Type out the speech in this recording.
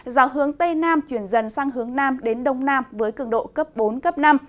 gió hướng tây nam chuyển dần sang hướng nam đến đông nam với cường độ cấp bốn cấp năm